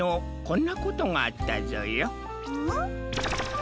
ん？